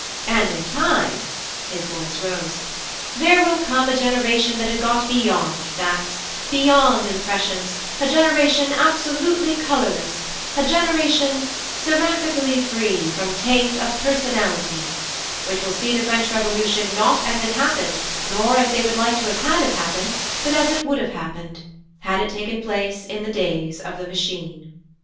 And in time' his voice rose 'there will come a generation that had got beyond facts, beyond impressions, a generation absolutely colourless, a generation seraphically free From taint of personality, which will see the French Revolution not as it happened, nor as they would like it to have happened, but as it would have happened, had it taken place in the days of the Machine.'